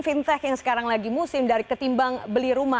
fintech yang sekarang lagi musim dari ketimbang beli rumah